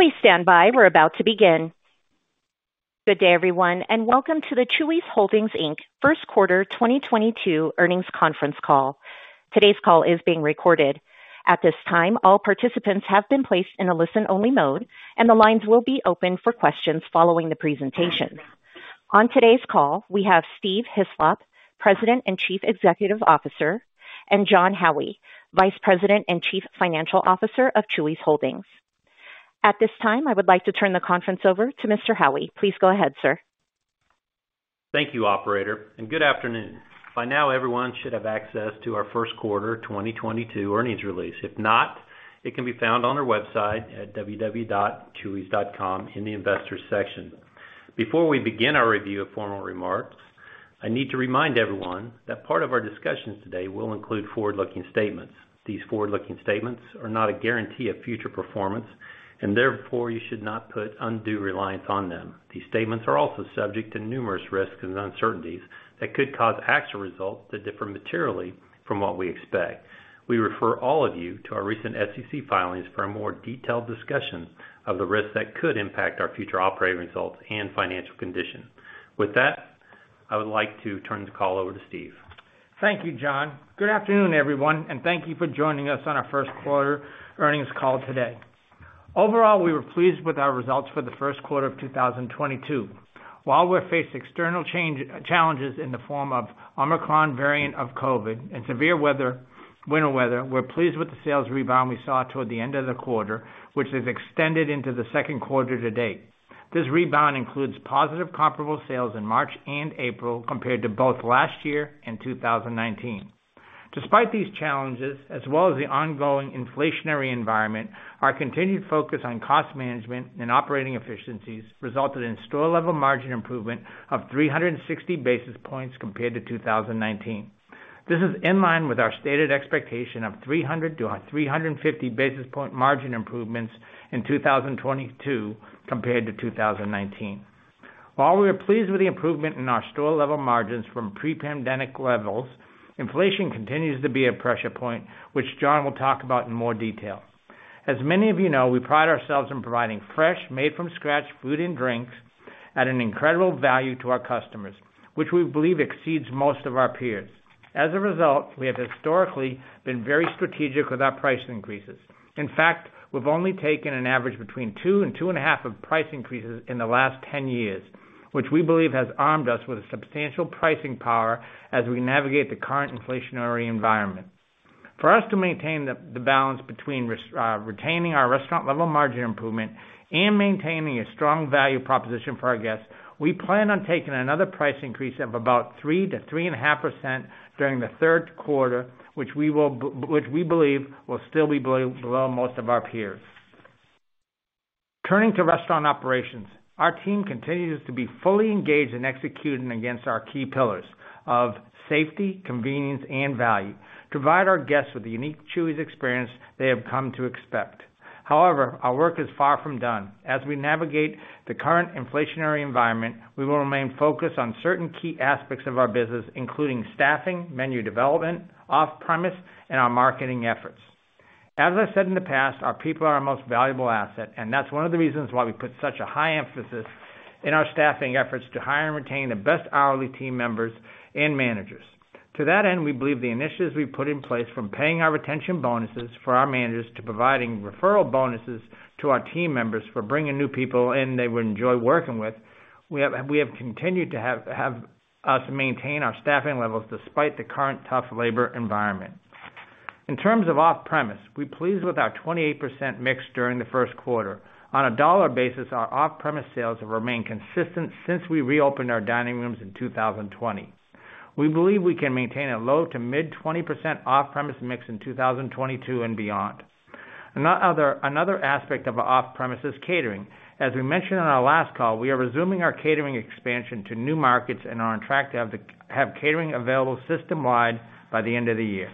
Please stand by. We're about to begin. Good day, everyone, and welcome to the Chuy's Holdings, Inc. First Quarter 2022 earnings conference call. Today's call is being recorded. At this time, all participants have been placed in a listen-only mode, and the lines will be open for questions following the presentation. On today's call, we have Steve Hislop, President and Chief Executive Officer, and Jon Howie, Vice President and Chief Financial Officer of Chuy's Holdings. At this time, I would like to turn the conference over to Mr. Howie. Please go ahead, sir. Thank you, operator, and good afternoon. By now, everyone should have access to our first quarter 2022 earnings release. If not, it can be found on our website at www.chuys.com in the Investors section. Before we begin our review of formal remarks, I need to remind everyone that part of our discussions today will include forward-looking statements. These forward-looking statements are not a guarantee of future performance, and therefore you should not put undue reliance on them. These statements are also subject to numerous risks and uncertainties that could cause actual results to differ materially from what we expect. We refer all of you to our recent SEC filings for a more detailed discussion of the risks that could impact our future operating results and financial condition. With that, I would like to turn the call over to Steve. Thank you, Jon Howie. Good afternoon, everyone, and thank you for joining us on our first quarter earnings call today. Overall, we were pleased with our results for the first quarter of 2022. While we're facing external challenges in the form of the Omicron variant of COVID and severe weather, winter weather, we're pleased with the sales rebound we saw toward the end of the quarter, which has extended into the second quarter to date. This rebound includes positive comparable sales in March and April compared to both last year and 2019. Despite these challenges, as well as the ongoing inflationary environment, our continued focus on cost management and operating efficiencies resulted in store-level margin improvement of 360 basis points compared to 2019. This is in line with our stated expectation of 300-350 basis point margin improvements in 2022 compared to 2019. While we are pleased with the improvement in our store-level margins from pre-pandemic levels, inflation continues to be a pressure point, which Jon will talk about in more detail. As many of you know, we pride ourselves in providing fresh, made-from-scratch food and drinks at an incredible value to our customers, which we believe exceeds most of our peers. As a result, we have historically been very strategic with our price increases. In fact, we've only taken an average between 2% and 2.5% of price increases in the last 10 years, which we believe has armed us with a substantial pricing power as we navigate the current inflationary environment. For us to maintain the balance between retaining our restaurant-level margin improvement and maintaining a strong value proposition for our guests, we plan on taking another price increase of about 3%-3.5% during the third quarter, which we believe will still be below most of our peers. Turning to restaurant operations. Our team continues to be fully engaged in executing against our key pillars of safety, convenience, and value, provide our guests with the unique Chuy's experience they have come to expect. However, our work is far from done. As we navigate the current inflationary environment, we will remain focused on certain key aspects of our business, including staffing, menu development, off-premise, and our marketing efforts. As I said in the past, our people are our most valuable asset, and that's one of the reasons why we put such a high emphasis in our staffing efforts to hire and retain the best hourly team members and managers. To that end, we believe the initiatives we've put in place from paying our retention bonuses for our managers to providing referral bonuses to our team members for bringing new people in, they would enjoy working with, have continued to help us maintain our staffing levels despite the current tough labor environment. In terms of off-premise, we're pleased with our 28% mix during the first quarter. On a dollar basis, our off-premise sales have remained consistent since we reopened our dining rooms in 2020. We believe we can maintain a low to mid 20% off-premise mix in 2022 and beyond. Another aspect of off-premise is catering. As we mentioned on our last call, we are resuming our catering expansion to new markets and are on track to have catering available system-wide by the end of the year.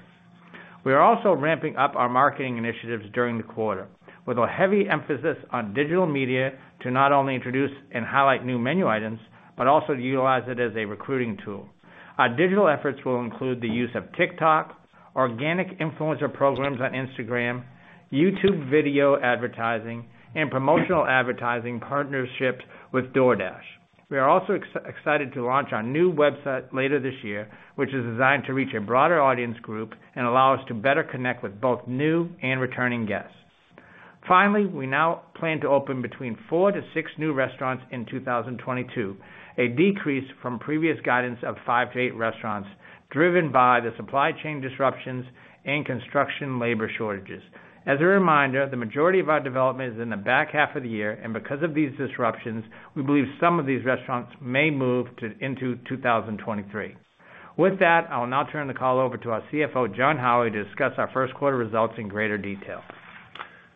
We are also ramping up our marketing initiatives during the quarter with a heavy emphasis on digital media to not only introduce and highlight new menu items, but also to utilize it as a recruiting tool. Our digital efforts will include the use of TikTok, organic influencer programs on Instagram, YouTube video advertising, and promotional advertising partnerships with DoorDash. We are also excited to launch our new website later this year, which is designed to reach a broader audience group and allow us to better connect with both new and returning guests. Finally, we now plan to open between four-six new restaurants in 2022, a decrease from previous guidance of five-eight restaurants driven by the supply chain disruptions and construction labor shortages. As a reminder, the majority of our development is in the back half of the year, and because of these disruptions, we believe some of these restaurants may move into 2023. With that, I will now turn the call over to our CFO, Jon Howie, to discuss our first quarter results in greater detail.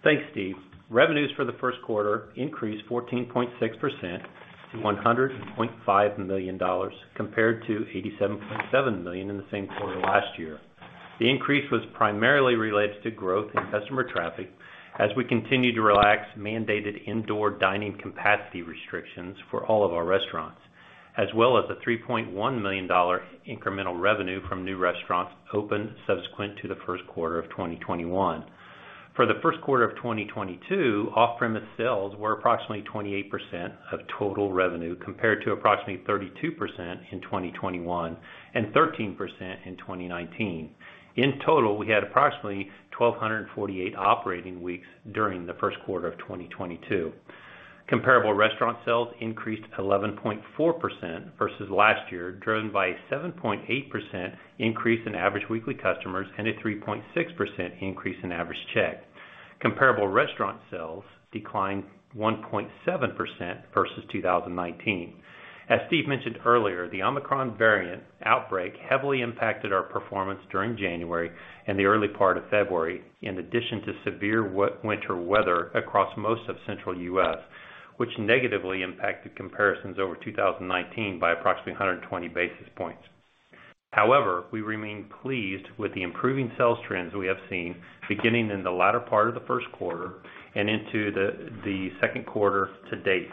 Thanks, Steve. Revenues for the first quarter increased 14.6% to $100.5 million compared to $87.7 million in the same quarter last year. The increase was primarily related to growth in customer traffic as we continue to relax mandated indoor dining capacity restrictions for all of our restaurants, as well as a $3.1 million incremental revenue from new restaurants opened subsequent to the first quarter of 2021. For the first quarter of 2022, off-premise sales were approximately 28% of total revenue, compared to approximately 32% in 2021 and 13% in 2019. In total, we had approximately 1,248 operating weeks during the first quarter of 2022. Comparable restaurant sales increased 11.4% versus last year, driven by a 7.8% increase in average weekly customers and a 3.6% increase in average check. Comparable restaurant sales declined 1.7% versus 2019. As Steve mentioned earlier, the Omicron variant outbreak heavily impacted our performance during January and the early part of February, in addition to severe winter weather across most of central U.S., which negatively impacted comparisons over 2019 by approximately 120 basis points. However, we remain pleased with the improving sales trends we have seen beginning in the latter part of the first quarter and into the second quarter to date,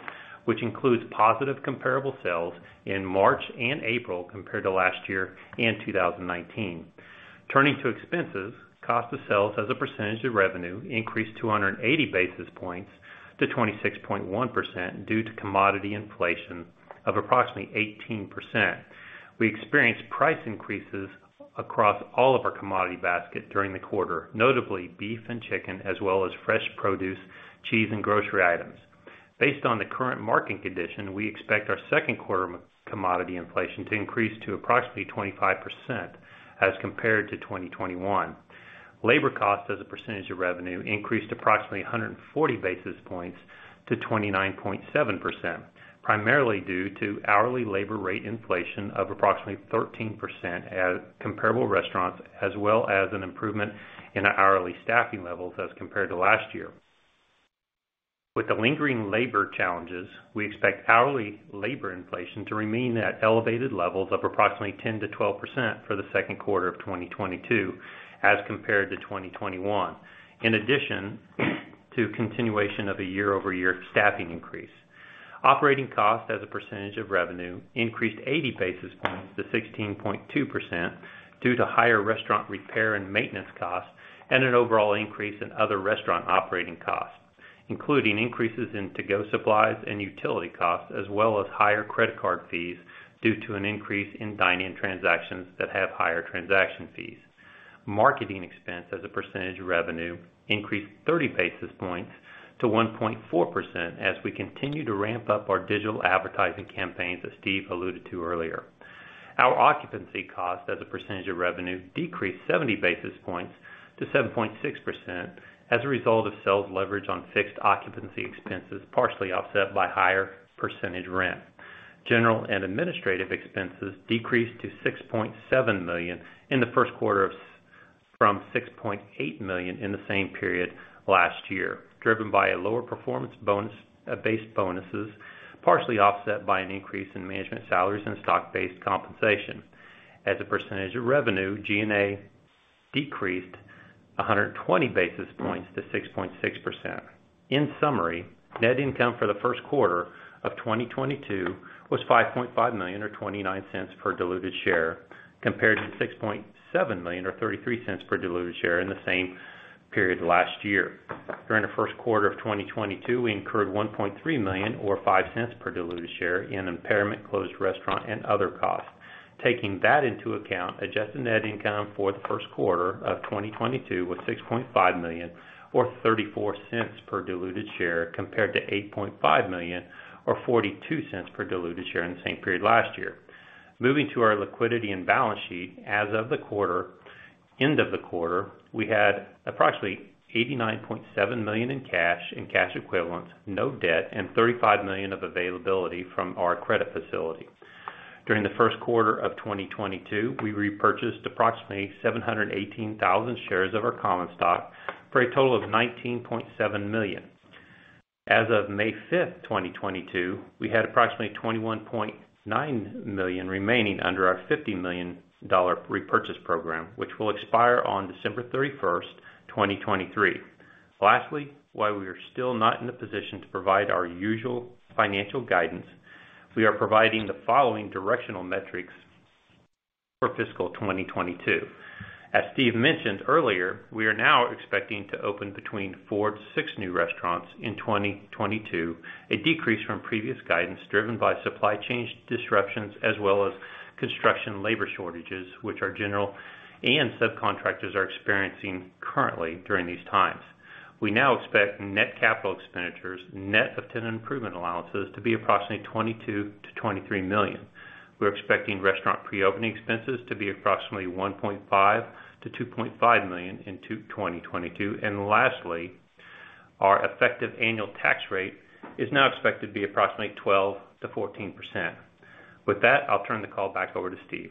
which includes positive comparable sales in March and April compared to last year and 2019. Turning to expenses, cost of sales as a percentage of revenue increased 280 basis points to 26.1% due to commodity inflation of approximately 18%. We experienced price increases across all of our commodity basket during the quarter, notably beef and chicken, as well as fresh produce, cheese, and grocery items. Based on the current market conditionsz, we expect our second quarter commodity inflation to increase to approximately 25% as compared to 2021. Labor cost as a percentage of revenue increased approximately 140 basis points to 29.7%, primarily due to hourly labor rate inflation of approximately 13% at comparable restaurants, as well as an improvement in our hourly staffing levels as compared to last year. With the lingering labor challenges, we expect hourly labor inflation to remain at elevated levels of approximately 10%-12% for the second quarter of 2022 as compared to 2021, in addition to continuation of a year-over-year staffing increase. Operating cost as a percentage of revenue increased 80 basis points to 16.2% due to higher restaurant repair and maintenance costs and an overall increase in other restaurant operating costs, including increases in to-go supplies and utility costs, as well as higher credit card fees due to an increase in dine-in transactions that have higher transaction fees. Marketing expense as a percentage of revenue increased 30 basis points to 1.4% as we continue to ramp up our digital advertising campaigns that Steve alluded to earlier. Our occupancy cost as a percentage of revenue decreased 70 basis points to 7.6% as a result of sales leverage on fixed occupancy expenses, partially offset by higher percentage rent. General and administrative expenses decreased to $6.7 million in the first quarter from $6.8 million in the same period last year, driven by a lower performance bonus, base bonuses, partially offset by an increase in management salaries and stock-based compensation. As a percentage of revenue, G&A decreased 120 basis points to 6.6%. In summary, net income for the first quarter of 2022 was $5.5 million or $0.29 per diluted share, compared to $6.7 million or $0.33 per diluted share in the same period last year. During the first quarter of 2022, we incurred $1.3 million or $0.05 per diluted share in impairment, closed restaurant, and other costs. Taking that into account, adjusted net income for the first quarter of 2022 was $6.5 million or $0.34 per diluted share, compared to $8.5 million or $0.42 per diluted share in the same period last year. Moving to our liquidity and balance sheet, as of the end of the quarter, we had approximately $89.7 million in cash and cash equivalents, no debt, and $35 million of availability from our credit facility. During the first quarter of 2022, we repurchased approximately 718,000 shares of our common stock for a total of $19.7 million. As of May 5, 2022, we had approximately $21.9 million remaining under our $50 million repurchase program, which will expire on December 31, 2023. Lastly, while we are still not in the position to provide our usual financial guidance, we are providing the following directional metrics for fiscal 2022. As Steve mentioned earlier, we are now expecting to open between four-six new restaurants in 2022, a decrease from previous guidance driven by supply chain disruptions as well as construction labor shortages, which our general and subcontractors are experiencing currently during these times. We now expect net capital expenditures, net of tenant improvement allowances, to be approximately $22 million-$23 million. We're expecting restaurant pre-opening expenses to be approximately $1.5 million-$2.5 million in 2022. Lastly, our effective annual tax rate is now expected to be approximately 12%-14%. With that, I'll turn the call back over to Steve.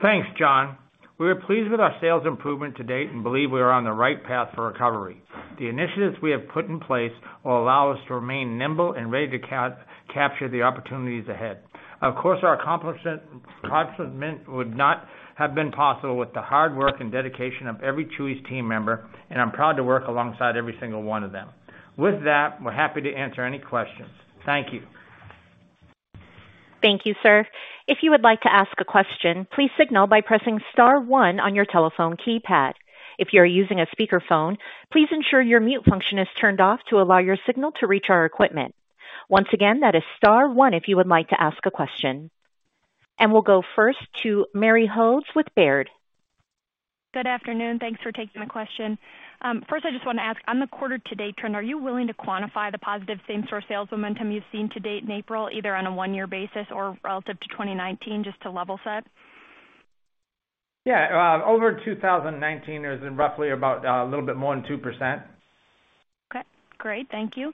Thanks, Jon Howie. We are pleased with our sales improvement to date and believe we are on the right path for recovery. The initiatives we have put in place will allow us to remain nimble and ready to capture the opportunities ahead. Of course, our accomplishment would not have been possible with the hard work and dedication of every Chuy's team member, and I'm proud to work alongside every single one of them. With that, we're happy to answer any questions. Thank you. Thank you, sir. If you would like to ask a question, please signal by pressing star one on your telephone keypad. If you're using a speakerphone, please ensure your mute function is turned off to allow your signal to reach our equipment. Once again, that is star one if you would like to ask a question. We'll go first to Mary Hodes with Baird. Good afternoon, thanks for taking the question. First, I just want to ask, on the quarter to date trend, are you willing to quantify the positive same store sales momentum you've seen to date in April, either on a one-year basis or relative to 2019, just to level set? Yeah. Over 2019 is in roughly about a little bit more than 2%. Okay, great. Thank you.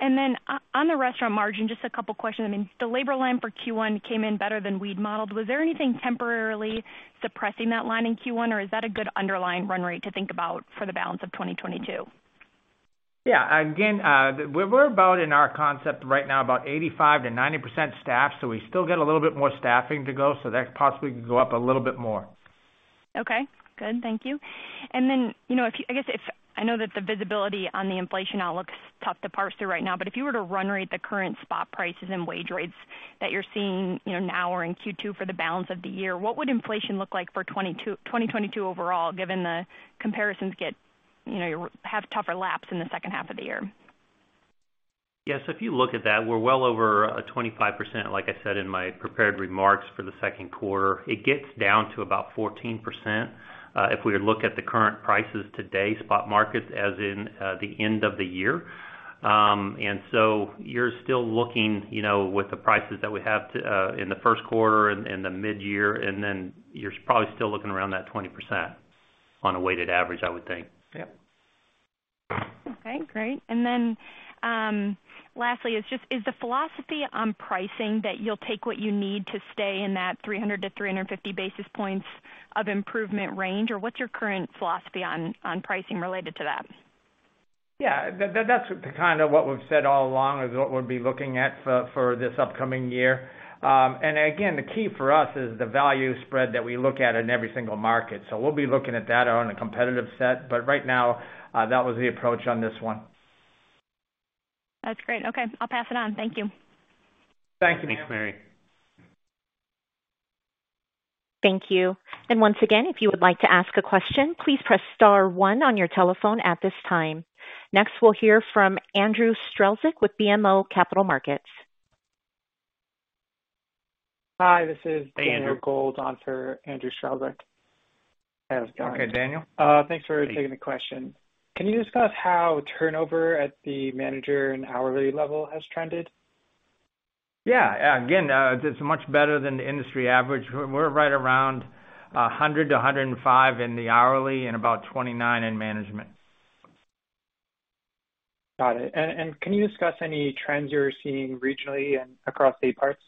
On the restaurant margin, just a couple questions. I mean, the labor line for Q1 came in better than we'd modeled. Was there anything temporarily suppressing that line in Q1, or is that a good underlying run rate to think about for the balance of 2022? Yeah. Again, we're about, in our concept right now, about 85%-90% staffed, so we still get a little bit more staffing to go, so that possibly could go up a little bit more. Okay, good. Thank you. You know, I know that the visibility on the inflation outlook's tough to parse through right now, but if you were to run-rate the current spot prices and wage rates that you're seeing, you know, now or in Q2 for the balance of the year, what would inflation look like for 2022 overall, given the comparisons get, you know, you have tougher laps in the second half of the year? Yeah. If you look at that, we're well over 25%, like I said in my prepared remarks for the second quarter. It gets down to about 14%, if we look at the current prices today, spot markets, as in, the end of the year. You're still looking, you know, with the prices that we have today in the first quarter and the midyear, and then you're probably still looking around that 20% on a weighted average, I would think. Yeah. Okay, great. Lastly, is just the philosophy on pricing that you'll take what you need to stay in that 300-350 basis points of improvement range? Or what's your current philosophy on pricing related to that? Yeah. That's kind of what we've said all along is what we'll be looking at for this upcoming year. Again, the key for us is the value spread that we look at in every single market. We'll be looking at that on a competitive set. Right now, that was the approach on this one. That's great. Okay, I'll pass it on. Thank you. Thank you. Thanks, Mary. Thank you. Once again, if you would like to ask a question, please press star one on your telephone at this time. Next, we'll hear from Andrew Strelzik with BMO Capital Markets. Hi, this is. Hey, Andrew. Daniel Gold on for Andrew Strelzik. How's it going? Okay, Daniel. Thanks for taking the question. Can you discuss how turnover at the manager and hourly level has trended? Again, it's much better than the industry average. We're right around $100-$105 in the hourly and about $29 in management. Got it. Can you discuss any trends you're seeing regionally and across the parts?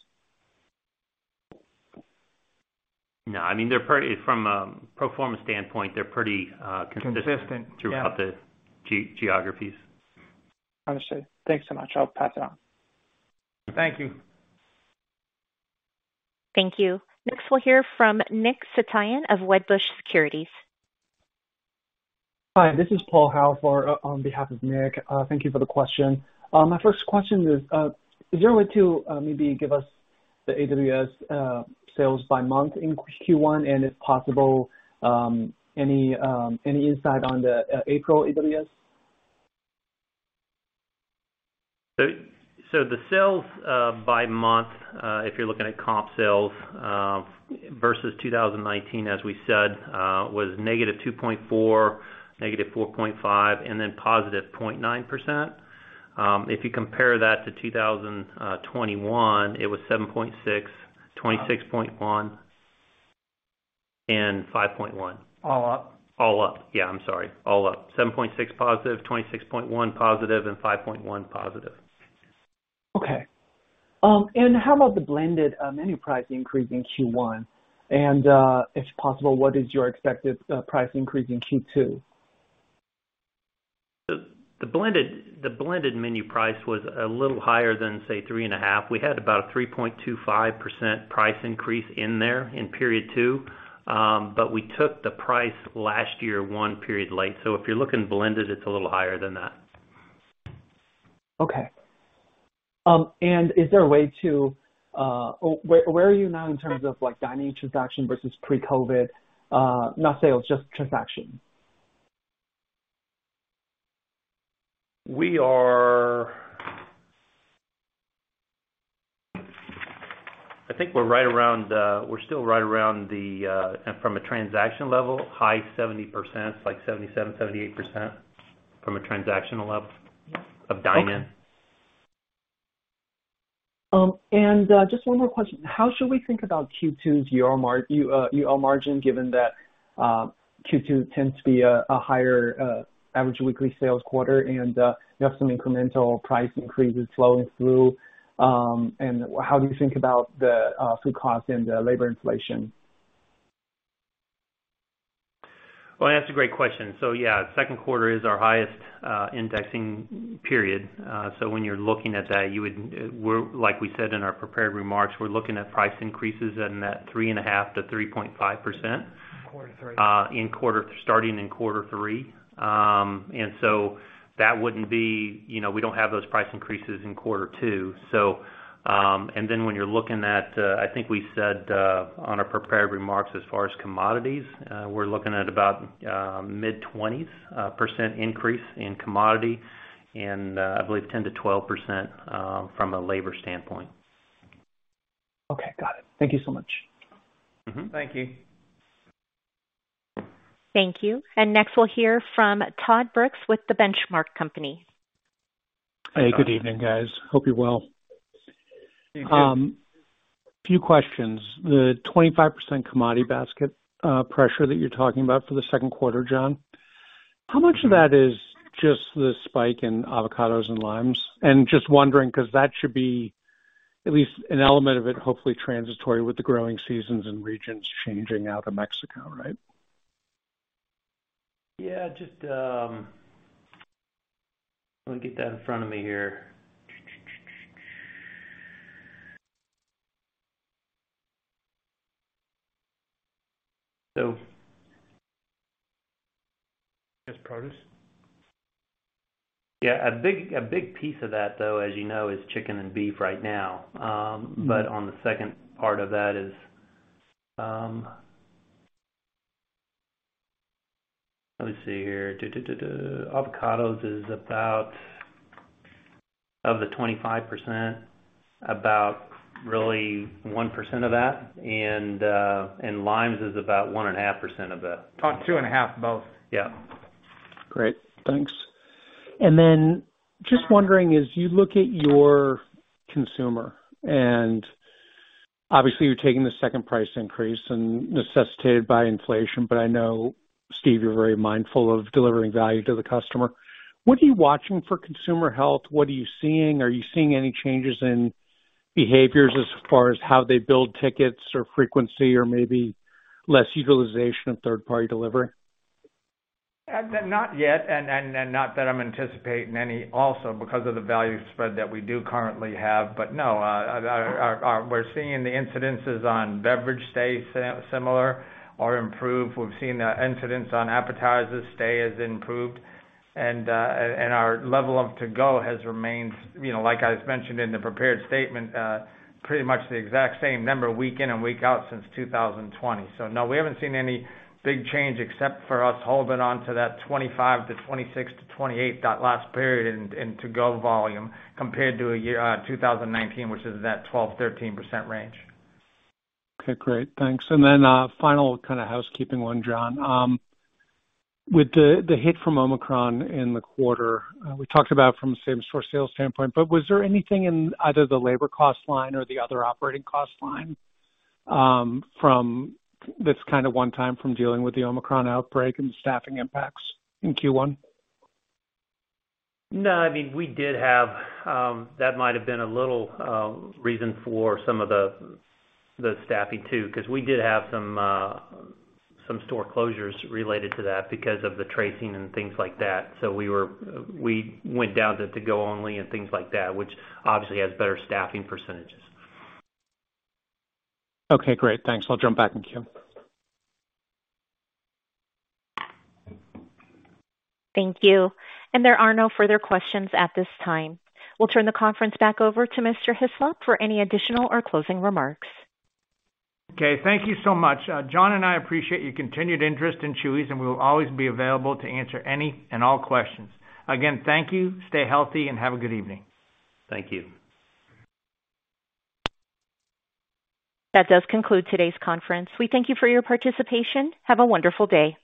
No, I mean, they're pretty from a pro forma standpoint, they're pretty, consistent. Consistent. throughout the geographies. Understood. Thanks so much. I'll pass it on. Thank you. Thank you. Next, we'll hear from Nick Setyan of Wedbush Securities. Hi, this is Paul Howe for, on behalf of Nick. Thank you for the question. My first question is there a way to maybe give us the AWS sales by month in Q1, and if possible, any insight on the April AWS? The sales by month, if you're looking at comp sales versus 2019, as we said, was -2.4%, -4.5%, and then +0.9%. If you compare that to 2021, it was 7.6%, 26.1%, and 5.1%. All up? All up +7.6%, +26.1%, and +5.1%. Okay. How about the blended menu price increase in Q1? If possible, what is your expected price increase in Q2? The blended menu price was a little higher than, say, 3.5%. We had about a 3.25% price increase in there in period two. We took the price last year one period late. If you're looking blended, it's a little higher than that. Okay. Is there a way to, where are you now in terms of, like, dining transaction versus pre-COVID? Not sales, just transactions. I think we're still right around the from a transaction level, high 70%, like 77%-78% from a transactional level Yes. of dine-in. Just one more question. How should we think about Q2's restaurant-level margin given that Q2 tends to be a higher average weekly sales quarter and you have some incremental price increases flowing through? How do you think about the food cost and the labor inflation? Well, that's a great question. Yeah, second quarter is our highest indexing period. When you're looking at that, like we said in our prepared remarks, we're looking at price increases in that 3.5%-3.5%. Quarter three. Starting in quarter three. That wouldn't be, you know, we don't have those price increases in quarter two. When you're looking at, I think we said on our prepared remarks as far as commodities, we're looking at about mid-20s% increase in commodity and I believe 10%-12% from a labor standpoint. Okay. Got it. Thank you so much. Mm-hmm. Thank you. Thank you. Next, we'll hear from Todd Brooks with The Benchmark Company. Hey, good evening, guys. Hope you're well. Thank you. Few questions. The 25% commodity basket pressure that you're talking about for the second quarter, Jon, how much of that is just the spike in avocados and limes? Just wondering 'cause that should be, at least an element of it, hopefully transitory with the growing seasons and regions changing out of Mexico, right? Yeah. Just, let me get that in front of me here. Just produce? Yeah. A big piece of that, though, as you know, is chicken and beef right now. On the second part of that, avocados is about 4% of the 25%, really about 1% of that. Limes is about 1.5% of that. About 2.5% both. Yeah. Great. Thanks. Just wondering, as you look at your consumer, and obviously you're taking the second price increase and necessitated by inflation, but I know, Steve, you're very mindful of delivering value to the customer. What are you watching for consumer health? What are you seeing? Are you seeing any changes in behaviors as far as how they build tickets or frequency or maybe less utilization of third-party delivery? Not yet. Not that I'm anticipating any also because of the value spread that we do currently have. No, we're seeing the incidents on beverage stay similar or improve. We've seen the incidents on appetizers stay the same or improved. Our level of to-go has remained, you know, like I mentioned in the prepared statement, pretty much the exact same number week in and week out since 2020. No, we haven't seen any big change except for us holding on to that 25%-26%-28%, that last period in to-go volume compared to a year, 2019, which is that 12%-13% range. Okay, great. Thanks. final kind of housekeeping one, Jon. With the hit from Omicron in the quarter, we talked about from same store sales standpoint, but was there anything in either the labor cost line or the other operating cost line, from this kind of one-time from dealing with the Omicron outbreak and staffing impacts in Q1? No, I mean, we did have. That might have been a little reason for some of the staffing too, 'cause we did have some store closures related to that because of the tracing and things like that. We went down to to-go only and things like that, which obviously has better staffing percentages. Okay, great. Thanks. I'll jump back in queue. Thank you. There are no further questions at this time. We'll turn the conference back over to Mr. Hislop for any additional or closing remarks. Okay. Thank you so much. Jon and I appreciate your continued interest in Chuy's, and we will always be available to answer any and all questions. Again, thank you, stay healthy, and have a good evening. Thank you. That does conclude today's conference. We thank you for your participation. Have a wonderful day.